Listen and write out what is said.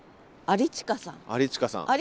有近さん。